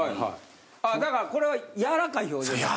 あっだからこれは柔らかい表情ですね？